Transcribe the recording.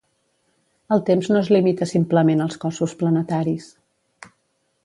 El temps no es limita simplement als cossos planetaris.